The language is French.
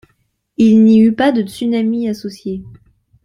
Il n'y eut pas de tsunami associé.